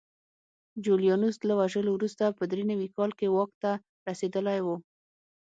جولیانوس له وژلو وروسته په درې نوي کال کې واک ته رسېدلی و